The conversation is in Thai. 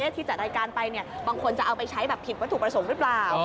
ที่จัดรายการไปบางคนจะเอาไปใช้แบบผิดวัตถุประสงค์หรือเปล่า